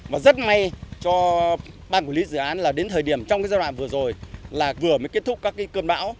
và rất may cho ban quản lý dự án là đến thời điểm trong giai đoạn vừa rồi là vừa mới kết thúc các cơn bão